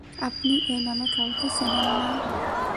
আপনি এই নামে কাউকে চেনেন না?